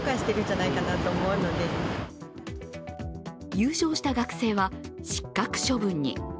優勝した学生は失格処分に。